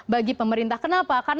bagi pemerintah kenapa